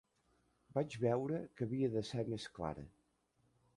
Vaig veure que havia de ser més clara.